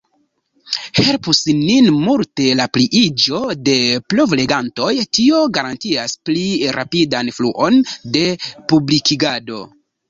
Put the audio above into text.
Helpus nin multe la pliiĝo de provlegantoj, tio garantias pli rapidan fluon de publikigado.